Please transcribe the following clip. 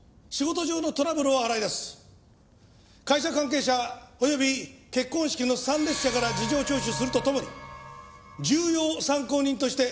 会社関係者及び結婚式の参列者から事情聴取すると共に重要参考人として立花美穂の行方を追う。